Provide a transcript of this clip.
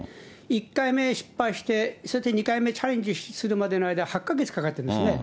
１回目失敗して、２回目チャレンジするまでの間、８か月かかってるんですね。